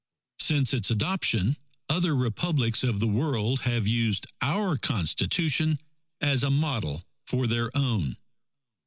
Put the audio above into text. Since its adoption, other Republics of the world have used our Constitution as a model for their own.